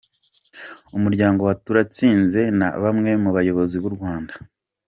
Umuryango wa Turatsinze na bamwe mu bayobozi b’u Rwanda